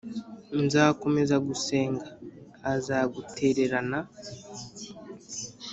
nzakomeza gusenga azagutererana